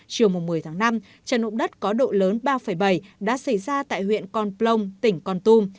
chiều một mươi tháng năm trận động đất có độ lớn ba bảy đã xảy ra tại huyện con plong tỉnh con tum